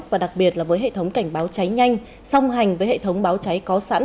và đặc biệt là với hệ thống cảnh báo cháy nhanh song hành với hệ thống báo cháy có sẵn